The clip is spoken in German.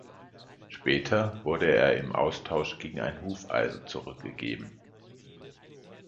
Später wurde er im Austausch gegen ein Hufeisen zurückgegeben.